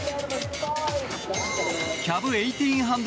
キャブ１８００